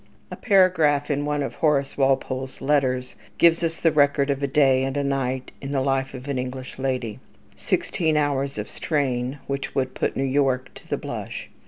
A paragraph in one of Horace Walpole's letters gives us the record of a day and a night in the life of an English lady, sixteen hours of "strain" which would put New York to the blush.